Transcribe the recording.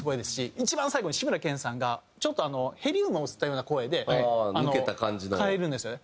一番最後に志村けんさんがヘリウムを吸ったような声で変えるんですよね。